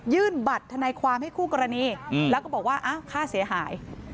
ยื่นบัตรธันายความให้คู่กรณีแล้วก็บอกว่าค่าเสียหาย